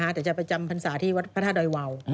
แต่จะไปจำพรรษาที่วัดพระธาตุดอยวาว